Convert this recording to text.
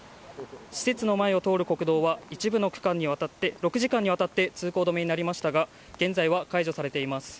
施設の前を通る国道は一部の区間で６時間にわたって通行止めになりましたが現在は解除されています。